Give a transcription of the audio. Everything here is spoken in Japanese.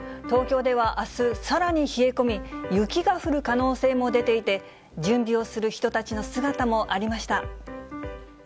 東京ではあす、さらに冷え込み、雪が降る可能性も出ていて、準備をする人たちの姿もありました。